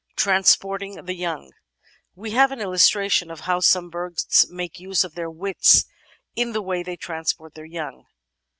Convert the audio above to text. Transporting the Young We have an illustration of how some birds make use of their wits in the way they transport their young.